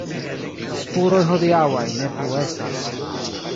Spuroj hodiaŭaj ne plu estas.